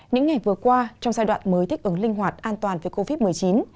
những ngày vừa qua trong giai đoạn mới thích ứng linh hoạt an toàn với covid một mươi chín